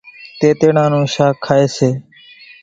تيتيڙان نون شاک کائيَ سي۔